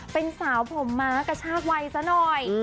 เป็นสาวผมม้ากระชากวัยซะหน่อย